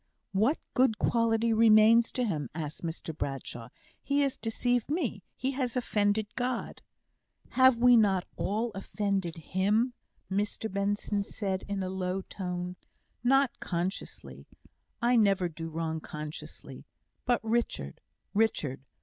"What good quality remains to him?" asked Mr Bradshaw. "He has deceived me he has offended God." "Have we not all offended Him?" Mr Benson said, in a low tone. "Not consciously. I never do wrong consciously. But Richard Richard."